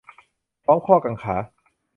พร้อมข้อกังขา